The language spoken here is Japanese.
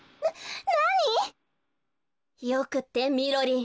よくってみろりん！